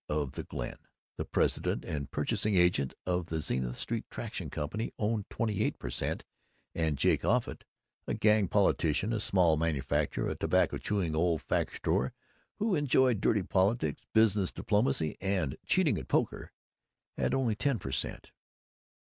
of the Glen, the president and purchasing agent of the Zenith Street Traction Company owned twenty eight per cent., and Jake Offutt (a gang politician, a small manufacturer, a tobacco chewing old farceur who enjoyed dirty politics, business diplomacy, and cheating at poker) had only ten per cent.